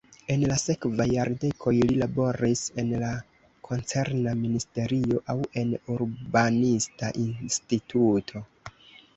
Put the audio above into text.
En la sekvaj jardekoj li laboris en la koncerna ministerio aŭ en urbanista instituto.